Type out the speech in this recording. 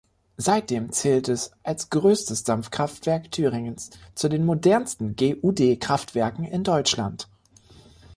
Seitdem zählt es als größtes Dampfkraftwerk Thüringens zu den modernsten GuD-Kraftwerken in Deutschland.